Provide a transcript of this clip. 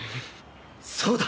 そうだ。